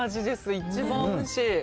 一番おいしい。